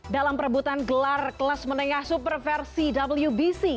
dalam perebutan gelar kelas menengah superversi wbc